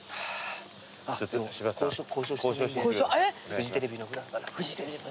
フジテレビの。